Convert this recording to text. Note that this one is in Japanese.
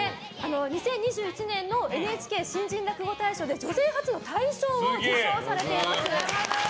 ２０２１年のＮＨＫ新人落語大賞で女性初の大賞を受賞されています。